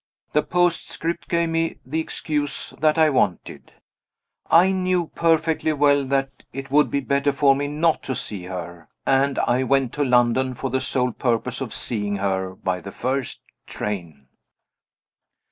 The postscript gave me the excuse that I wanted. I knew perfectly well that it would be better for me not to see her and I went to London, for the sole purpose of seeing her, by the first train.